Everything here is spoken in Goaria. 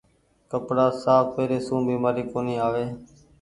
ڪپڙآ ساڦ پيري سون بيمآري ڪونيٚ آوي ڇي۔